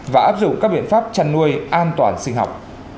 và áp dụng các biện pháp chăn nuôi an toàn sinh học